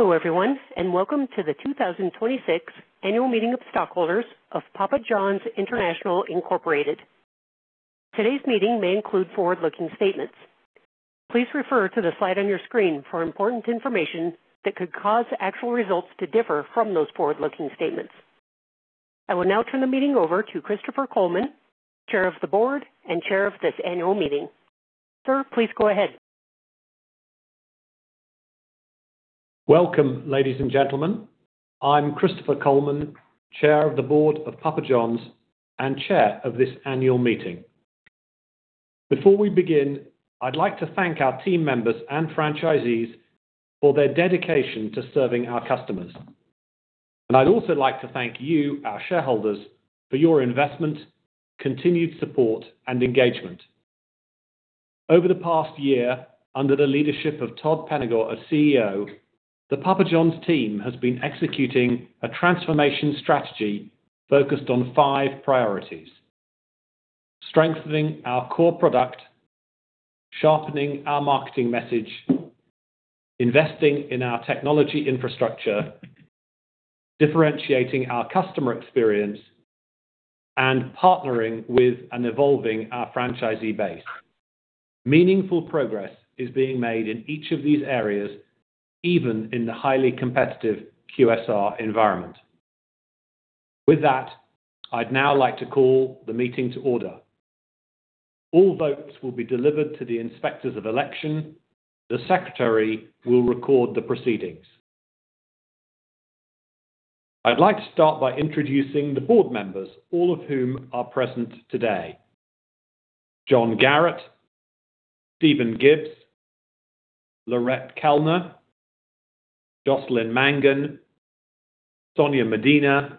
Hello, everyone, and welcome to the 2026 Annual Meeting of Stockholders of Papa John's International, Inc. Today's meeting may include forward-looking statements. Please refer to the slide on your screen for important information that could cause actual results to differ from those forward-looking statements. I will now turn the meeting over to Christopher Coleman, Chair of the Board and Chair of this annual meeting. Sir, please go ahead. Welcome, ladies and gentlemen. I'm Christopher Coleman, Chair of the Board of Papa John's and Chair of this annual meeting. Before we begin, I'd like to thank our team members and franchisees for their dedication to serving our customers. I'd also like to thank you, our shareholders, for your investment, continued support and engagement. Over the past year, under the leadership of Todd Penegor as CEO, the Papa John's team has been executing a transformation strategy focused on 5 priorities: strengthening our core product, sharpening our marketing message, investing in our technology infrastructure, differentiating our customer experience, and partnering with and evolving our franchisee base. Meaningful progress is being made in each of these areas, even in the highly competitive QSR environment. With that, I'd now like to call the meeting to order. All votes will be delivered to the Inspectors of Election. The Secretary will record the proceedings. I'd like to start by introducing the board members, all of whom are present today. John Garratt, Stephen Gibbs, Laurette Koellner, Jocelyn Mangan, Sonia Medina,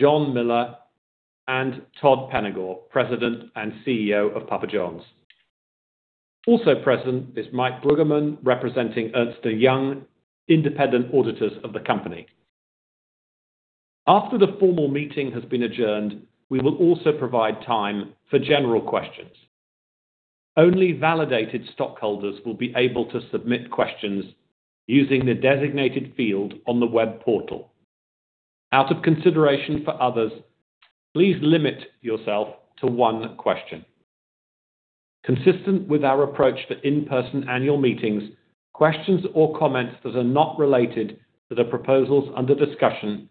John Miller, and Todd Penegor, President and CEO of Papa John's. Also present is Mike Brueggeman, representing Ernst & Young, independent auditors of the company. After the formal meeting has been adjourned, we will also provide time for general questions. Only validated stockholders will be able to submit questions using the designated field on the web portal. Out of consideration for others, please limit yourself to 1 question. Consistent with our approach to in-person annual meetings, questions or comments that are not related to the proposals under discussion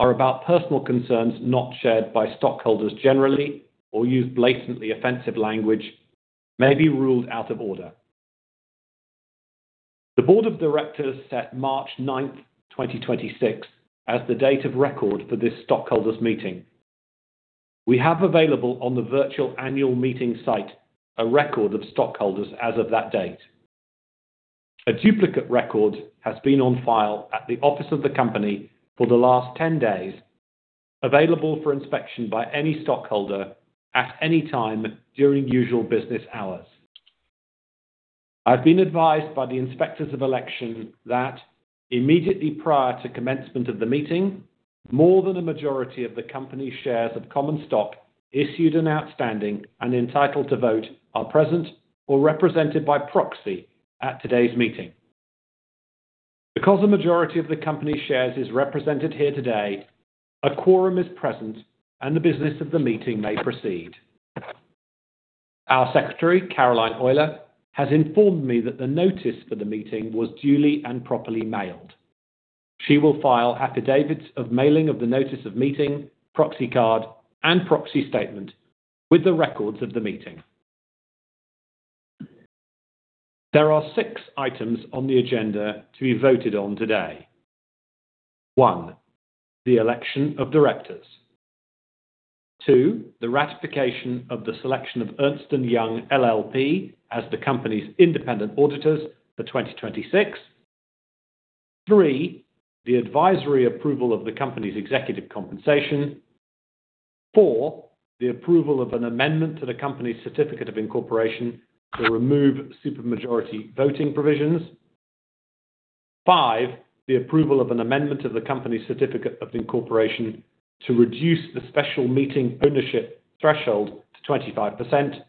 are about personal concerns not shared by stockholders generally or use blatantly offensive language may be ruled out of order. The board of directors set March 9, 2026 as the date of record for this stockholders meeting. We have available on the virtual annual meeting site a record of stockholders as of that date. A duplicate record has been on file at the office of the company for the last 10 days, available for inspection by any stockholder at any time during usual business hours. I've been advised by the Inspectors of Election that immediately prior to commencement of the meeting, more than a majority of the company's shares of common stock issued and outstanding and entitled to vote are present or represented by proxy at today's meeting. Because a majority of the company's shares is represented here today, a quorum is present and the business of the meeting may proceed. Our secretary, Caroline Oyler, has informed me that the notice for the meeting was duly and properly mailed. She will file affidavits of mailing of the notice of meeting, proxy card, and proxy statement with the records of the meeting. There are 6 items on the agenda to be voted on today. 1, the election of directors. 2, the ratification of the selection of Ernst & Young LLP as the company's independent auditors for 2026. 3, the advisory approval of the company's executive compensation. 4, the approval of an amendment to the company's certificate of incorporation to remove super majority voting provisions. 5, the approval of an amendment to the company's certificate of incorporation to reduce the special meeting ownership threshold to 25%.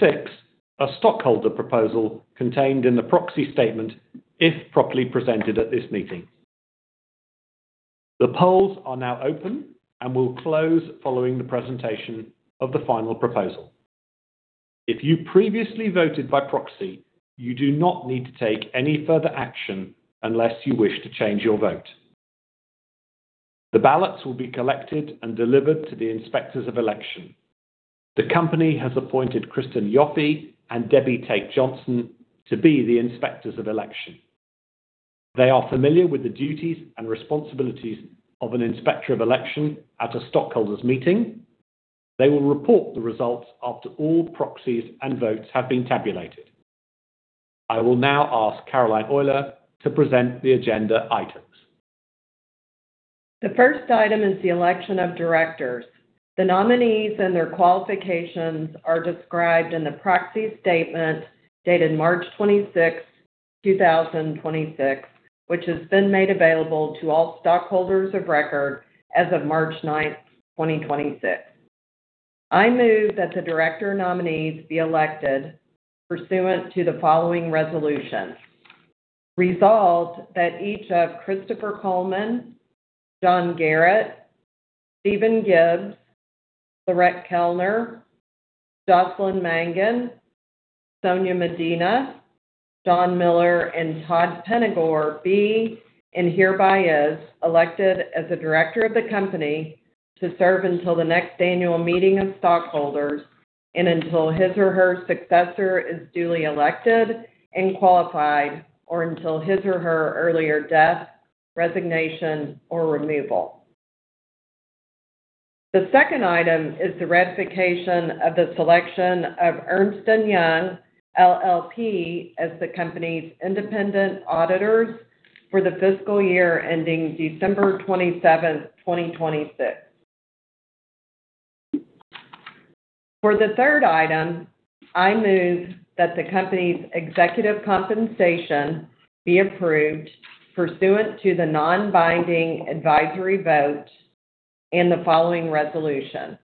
6, a stockholder proposal contained in the proxy statement, if properly presented at this meeting. The polls are now open and will close following the presentation of the final proposal. If you previously voted by proxy, you do not need to take any further action unless you wish to change your vote. The ballots will be collected and delivered to the Inspectors of Election. The company has appointed Kristen Yoffee and Debbie Tate Johnson to be the Inspectors of Election. They are familiar with the duties and responsibilities of an Inspector of Election at a stockholders meeting. They will report the results after all proxies and votes have been tabulated. I will now ask Caroline Oyler to present the agenda items. The first item is the election of directors. The nominees and their qualifications are described in the proxy statement dated March 26, 2026, which has been made available to all stockholders of record as of March 9, 2026. I move that the director nominees be elected pursuant to the following resolution. Resolved that each of Christopher Coleman, John Garratt, Stephen Gibbs, Laurette Koellner, Jocelyn Mangan, Sonia Medina, John C. Miller, and Todd Penegor be, and hereby is, elected as a director of the company to serve until the next annual meeting of stockholders and until his or her successor is duly elected and qualified, or until his or her earlier death, resignation, or removal. The second item is the ratification of the selection of Ernst & Young LLP as the company's independent auditors for the fiscal year ending December 27, 2026. For the third item, I move that the company's executive compensation be approved pursuant to the non-binding advisory vote in the following resolution.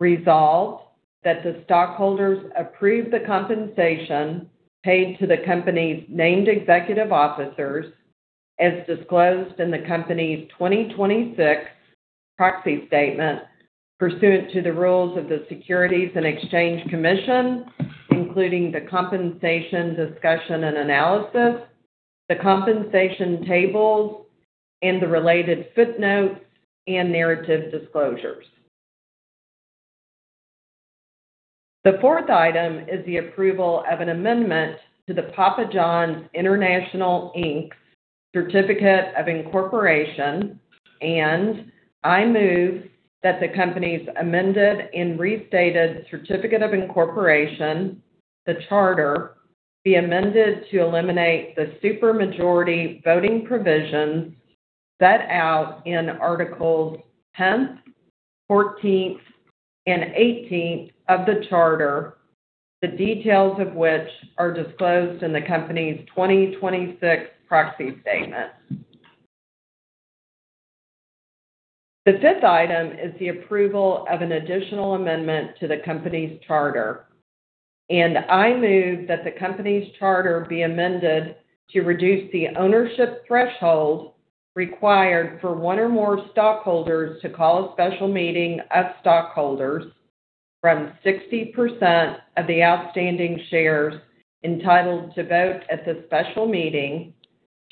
Resolved that the stockholders approve the compensation paid to the company's named executive officers as disclosed in the company's 2026 proxy statement pursuant to the rules of the Securities and Exchange Commission, including the compensation discussion and analysis, the compensation tables, and the related footnotes and narrative disclosures. The fourth item is the approval of an amendment to the Papa John's International, Inc. Certificate of Incorporation. I move that the company's amended and restated Certificate of Incorporation, the charter, be amended to eliminate the super majority voting provisions set out in Articles 10th, 14th, and 18th of the charter, the details of which are disclosed in the company's 2026 proxy statement. The fifth item is the approval of an additional amendment to the company's charter. I move that the company's charter be amended to reduce the ownership threshold required for 1 or more stockholders to call a special meeting of stockholders from 60% of the outstanding shares entitled to vote at the special meeting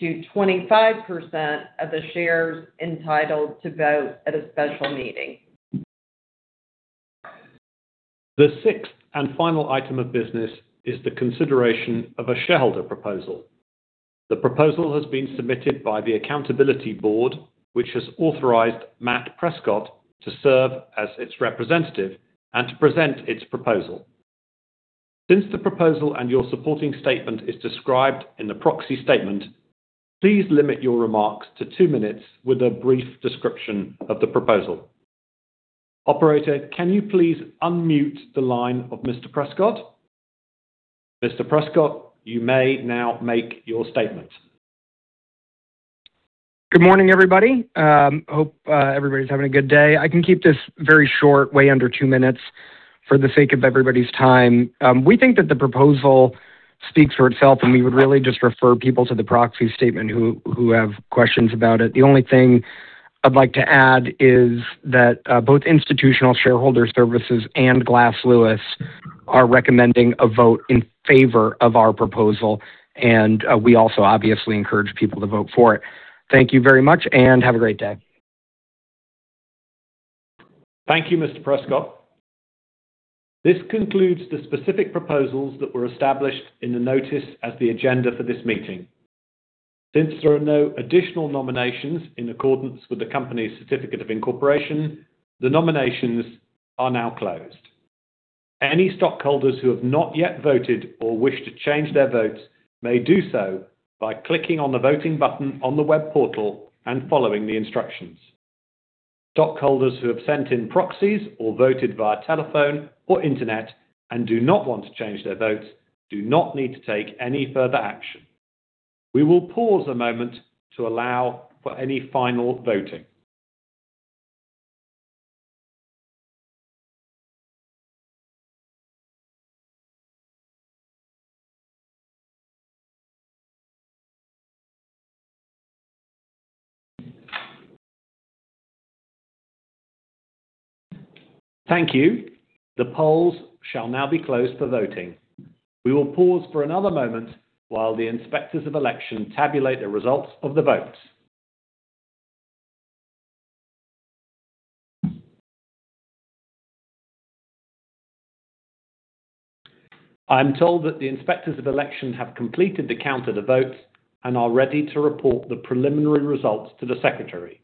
to 25% of the shares entitled to vote at a special meeting. The sixth and final item of business is the consideration of a shareholder proposal. The proposal has been submitted by The Accountability Board, which has authorized Matt Prescott to serve as its representative and to present its proposal. Since the proposal and your supporting statement is described in the proxy statement, please limit your remarks to 2 minutes with a brief description of the proposal. Operator, can you please unmute the line of Mr. Prescott? Mr. Prescott, you may now make your statement. Good morning, everybody. Hope everybody's having a good day. I can keep this very short, way under 2 minutes for the sake of everybody's time. We think that the proposal speaks for itself, and we would really just refer people to the proxy statement who have questions about it. The only thing I'd like to add is that both Institutional Shareholder Services and Glass Lewis are recommending a vote in favor of our proposal, and we also obviously encourage people to vote for it. Thank you very much, and have a great day. Thank you, Mr. Prescott. This concludes the specific proposals that were established in the notice as the agenda for this meeting. Since there are no additional nominations in accordance with the company's certificate of incorporation, the nominations are now closed. Any stockholders who have not yet voted or wish to change their votes may do so by clicking on the voting button on the web portal and following the instructions. Stockholders who have sent in proxies or voted via telephone or internet and do not want to change their votes do not need to take any further action. We will pause a moment to allow for any final voting. Thank you. The polls shall now be closed for voting. We will pause for another moment while the inspectors of election tabulate the results of the votes. I am told that the Inspectors of Election have completed the count of the votes and are ready to report the preliminary results to the secretary.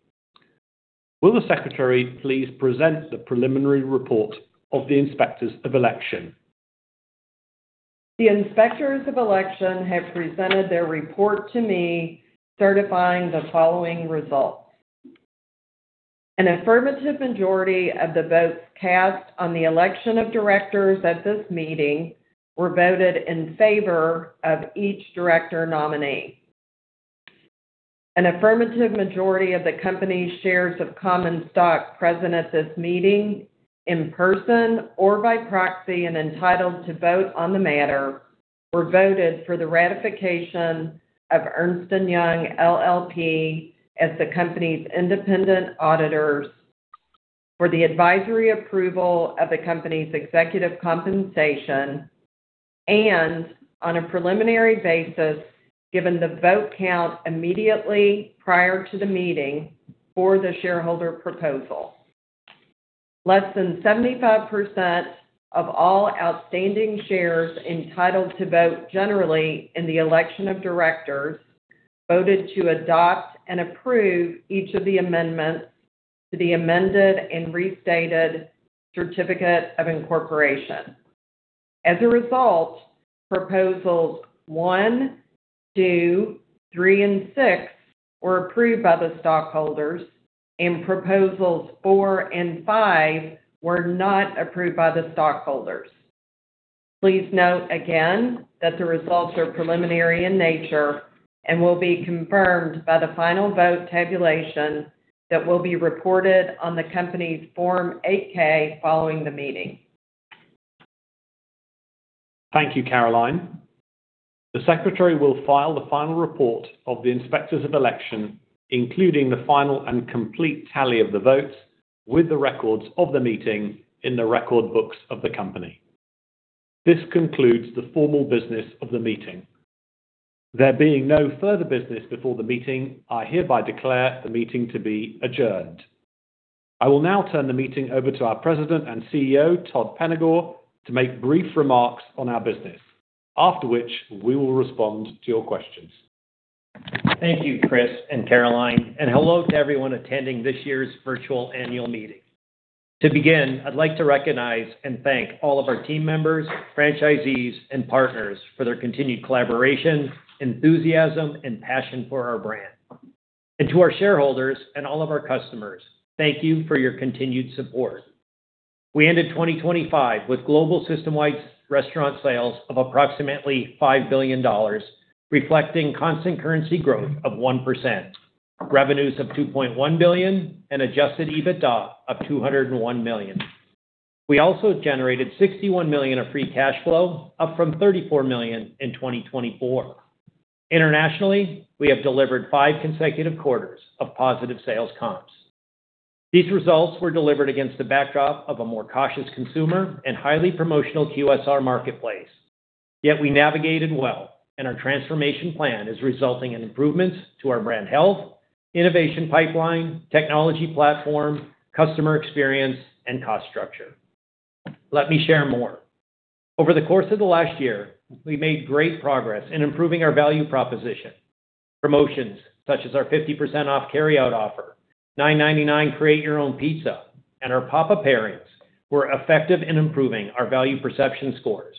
Will the secretary please present the preliminary report of the Inspectors of Election? The inspectors of election have presented their report to me certifying the following results. An affirmative majority of the votes cast on the election of directors at this meeting were voted in favor of each director nominee. An affirmative majority of the company's shares of common stock present at this meeting in person or by proxy and entitled to vote on the matter were voted for the ratification of Ernst & Young LLP as the company's independent auditors for the advisory approval of the company's executive compensation and on a preliminary basis, given the vote count immediately prior to the meeting for the shareholder proposal. Less than 75% of all outstanding shares entitled to vote generally in the election of directors voted to adopt and approve each of the amendments to the amended and restated certificate of incorporation. As a result, proposals 1, 2, 3, and 6 were approved by the stockholders, and proposals 4 and 5 were not approved by the stockholders. Please note again that the results are preliminary in nature and will be confirmed by the final vote tabulation that will be reported on the company's Form 8-K following the meeting. Thank you, Caroline. The Secretary will file the final report of the Inspectors of Election, including the final and complete tally of the votes with the records of the meeting in the record books of the company. This concludes the formal business of the meeting. There being no further business before the meeting, I hereby declare the meeting to be adjourned. I will now turn the meeting over to our President and CEO, Todd Penegor, to make brief remarks on our business, after which we will respond to your questions. Thank you, Chris and Caroline, hello to everyone attending this year's virtual annual meeting. To begin, I'd like to recognize and thank all of our team members, franchisees, and partners for their continued collaboration, enthusiasm, and passion for our brand. To our shareholders and all of our customers, thank you for your continued support. We ended 2025 with global system-wide restaurant sales of approximately $5 billion, reflecting constant currency growth of 1%, revenues of $2.1 billion, and adjusted EBITDA of $201 million. We also generated $61 million of free cash flow, up from $34 million in 2024. Internationally, we have delivered 5 consecutive quarters of positive sales comps. These results were delivered against the backdrop of a more cautious consumer and highly promotional QSR marketplace. We navigated well, and our transformation plan is resulting in improvements to our brand health, innovation pipeline, technology platform, customer experience, and cost structure. Let me share more. Over the course of the last year, we made great progress in improving our value proposition. Promotions such as our 50% off carryout offer, 9.99 create your own pizza, and our Papa Pairings were effective in improving our value perception scores.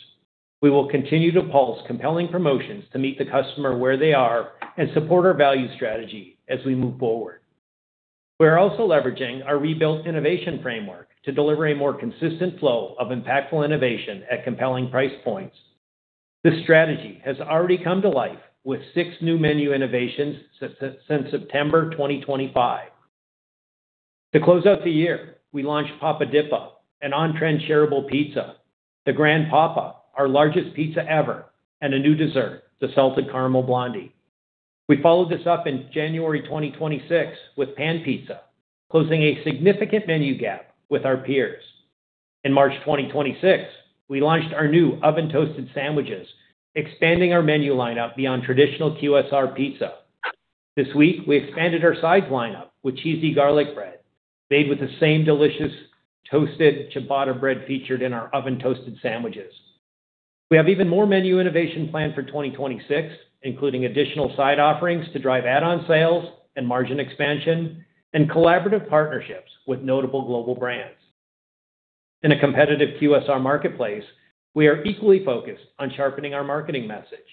We will continue to pulse compelling promotions to meet the customer where they are and support our value strategy as we move forward. We're also leveraging our rebuilt innovation framework to deliver a more consistent flow of impactful innovation at compelling price points. This strategy has already come to life with 6 new menu innovations since September 2025. To close out the year, we launched Papa Dippa, an on-trend shareable pizza, the Grand Papa, our largest pizza ever, and a new dessert, the Salted Caramel Blondie. We followed this up in January 2026 with Pan Pizza, closing a significant menu gap with our peers. In March 2026, we launched our new oven-toasted sandwiches, expanding our menu lineup beyond traditional QSR pizza. This week, we expanded our sides lineup with cheesy garlic bread, made with the same delicious toasted ciabatta bread featured in our oven-toasted sandwiches. We have even more menu innovation planned for 2026, including additional side offerings to drive add-on sales and margin expansion, and collaborative partnerships with notable global brands. In a competitive QSR marketplace, we are equally focused on sharpening our marketing message.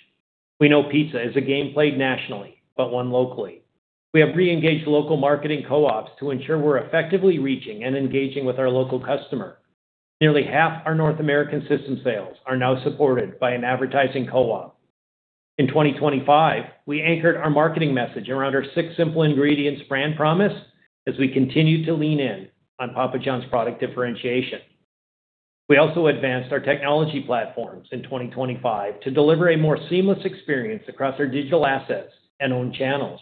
We know pizza is a game played nationally, but 1 locally. We have reengaged local marketing co-ops to ensure we're effectively reaching and engaging with our local customer. Nearly half our North American system sales are now supported by an advertising co-op. In 2025, we anchored our marketing message around our 6 simple ingredients brand promise as we continue to lean in on Papa John's product differentiation. We also advanced our technology platforms in 2025 to deliver a more seamless experience across our digital assets and owned channels.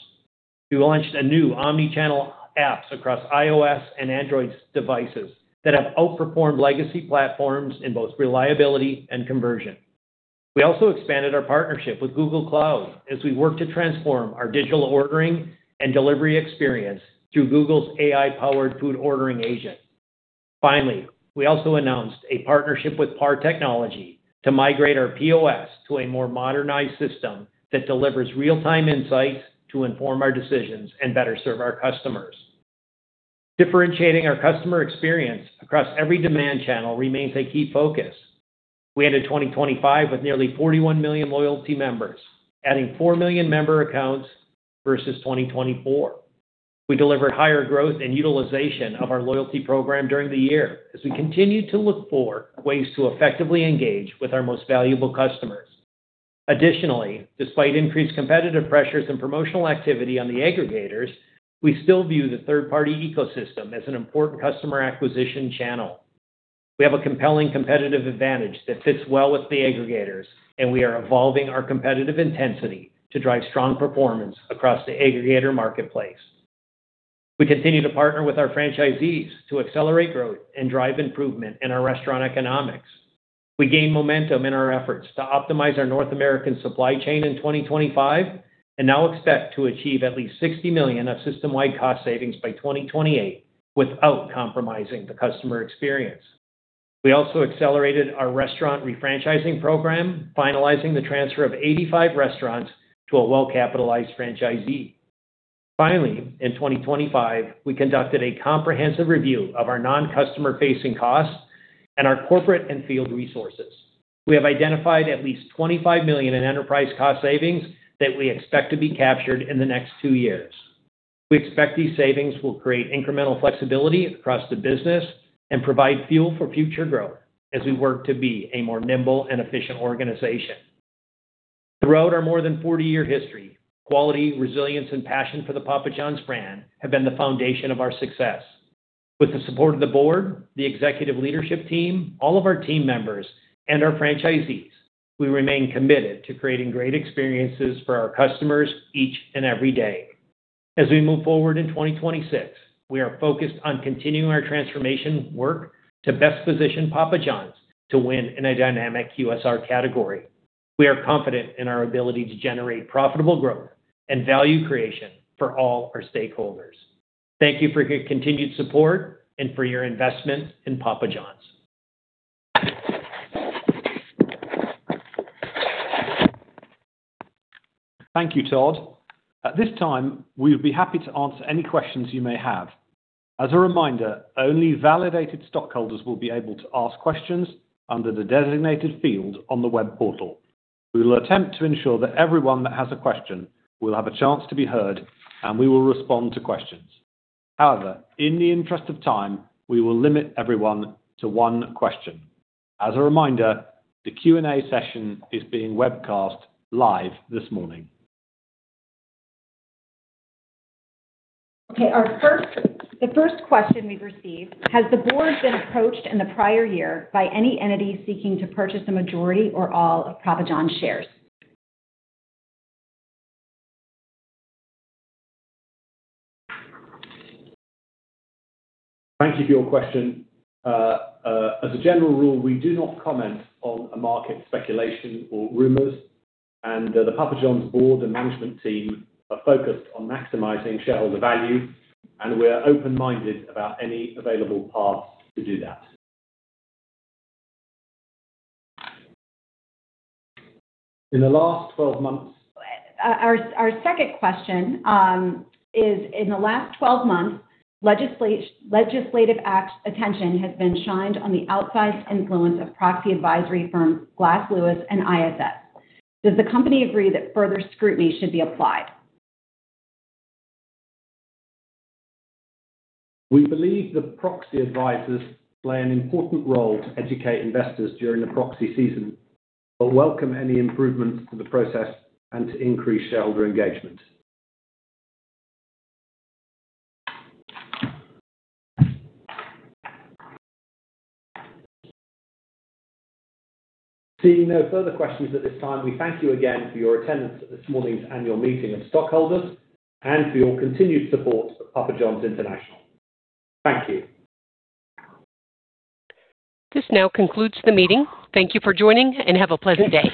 We launched a new omnichannel app across iOS and Android devices that have outperformed legacy platforms in both reliability and conversion. We also expanded our partnership with Google Cloud as we work to transform our digital ordering and delivery experience through Google's AI-powered food ordering agent. Finally, we also announced a partnership with PAR Technology to migrate our POS to a more modernized system that delivers real-time insights to inform our decisions and better serve our customers. Differentiating our customer experience across every demand channel remains a key focus. We ended 2025 with nearly 41 million loyalty members, adding 4 million member accounts versus 2024. We delivered higher growth and utilization of our loyalty program during the year as we continued to look for ways to effectively engage with our most valuable customers. Additionally, despite increased competitive pressures and promotional activity on the aggregators, we still view the third-party ecosystem as an important customer acquisition channel. We have a compelling competitive advantage that fits well with the aggregators, and we are evolving our competitive intensity to drive strong performance across the aggregator marketplace. We continue to partner with our franchisees to accelerate growth and drive improvement in our restaurant economics. We gained momentum in our efforts to optimize our North American supply chain in 2025 and now expect to achieve at least $60 million of system-wide cost savings by 2028 without compromising the customer experience. We also accelerated our restaurant refranchising program, finalizing the transfer of 85 restaurants to a well-capitalized franchisee. Finally, in 2025, we conducted a comprehensive review of our non-customer facing costs and our corporate and field resources. We have identified at least $25 million in enterprise cost savings that we expect to be captured in the next 2 years. We expect these savings will create incremental flexibility across the business and provide fuel for future growth as we work to be a more nimble and efficient organization. Throughout our more than 40-year history, quality, resilience, and passion for the Papa John's brand have been the foundation of our success. With the support of the board, the executive leadership team, all of our team members, and our franchisees, we remain committed to creating great experiences for our customers each and every day. As we move forward in 2026, we are focused on continuing our transformation work to best position Papa John's to win in a dynamic QSR category. We are confident in our ability to generate profitable growth and value creation for all our stakeholders. Thank you for your continued support and for your investment in Papa John's. Thank you, Todd. At this time, we would be happy to answer any questions you may have. As a reminder, only validated stockholders will be able to ask questions under the designated field on the web portal. We will attempt to ensure that everyone that has a question will have a chance to be heard, and we will respond to questions. In the interest of time, we will limit everyone to 1 question. As a reminder, the Q&A session is being webcast live this morning. The first question we've received: Has the board been approached in the prior year by any entity seeking to purchase a majority or all of Papa John's shares? Thank you for your question. As a general rule, we do not comment on a market speculation or rumors. The Papa John's board and management team are focused on maximizing shareholder value. We're open-minded about any available path to do that. In the last 12 months. Our second question, is in the last 12 months, legislative act attention has been shined on the outsized influence of proxy advisory firms Glass Lewis and ISS. Does the company agree that further scrutiny should be applied? We believe that proxy advisors play an important role to educate investors during the proxy season, but welcome any improvements to the process and to increase shareholder engagement. Seeing no further questions at this time, we thank you again for your attendance at this morning's annual meeting of stockholders and for your continued support for Papa John's International. Thank you. This now concludes the meeting. Thank you for joining, and have a pleasant day.